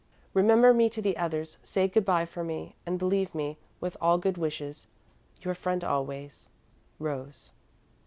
"Remember me to the others, say good bye for me, and believe me, with all good wishes, "Your friend always, "ROSE."